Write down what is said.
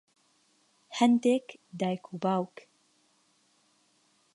هەندێک دایک و باوک